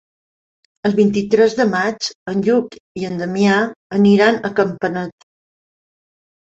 El vint-i-tres de maig en Lluc i en Damià aniran a Campanet.